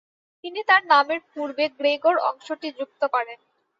তিনি তার নামের পূর্বে গ্রেগর অংশটি যুক্ত করেন।